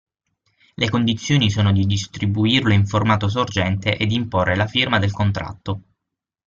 Le condizioni sono di distribuirlo in formato sorgente e di imporre la firma del contratto.